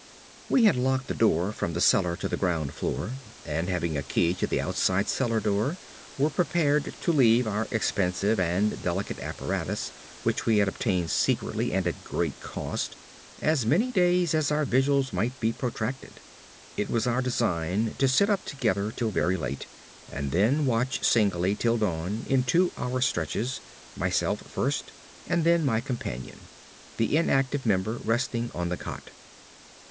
We had locked the door from the cellar to the ground floor; and having a key to the outside cellar door, were prepared to leave our expensive and delicate apparatus which we had obtained secretly and at great cost as many days as our vigils might be protracted. It was our design to sit up together till very late, and then watch singly till dawn in two hour stretches, myself first and then my companion; the inactive member resting on the cot.